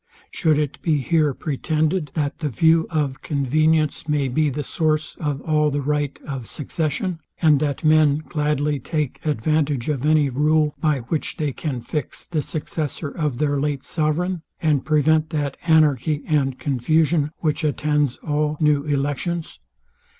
Should it here be pretended, that the view of convenience may be the source of all the right of succession, and that men gladly take advantage of any rule, by which they can fix the successor of their late sovereign, and prevent that anarchy and confusion, which attends all new elections?